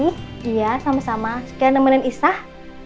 iya sama sama kayak nemenin isah